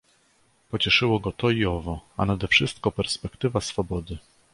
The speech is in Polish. Pocieszyło go to i owo, a nade wszystko perspektywa swobody.